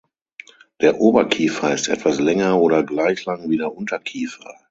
Der Oberkiefer ist etwas länger oder gleich lang wie der Unterkiefer.